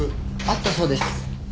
あったそうです。